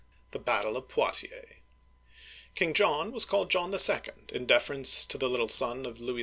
XLIII. THE BATTLE OF POITIERS KING JOHN was called John II. in deference to the little son of Louis X.